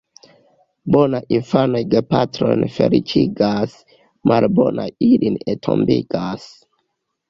Bonaj infanoj gepatrojn feliĉigas, malbonaj ilin entombigas.